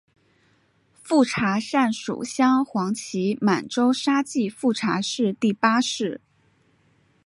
富察善属镶黄旗满洲沙济富察氏第八世。